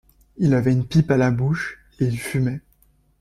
Il avait une pipe à la bouche et il fumait.